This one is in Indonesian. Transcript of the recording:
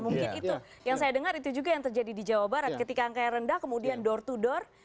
mungkin itu yang saya dengar itu juga yang terjadi di jawa barat ketika angkanya rendah kemudian door to door